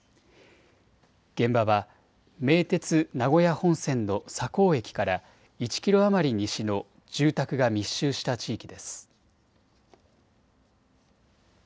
現場は名鉄名古屋本線の栄生駅から１キロ余り西の住宅が密集した地域です。